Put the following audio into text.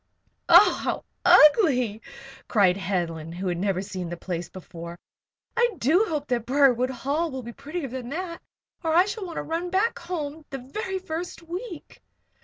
"Oh, how ugly!" cried Helen, who had never seen the place before. "I do hope that Briarwood Hall will be prettier than that, or I shall want to run back home the very first week."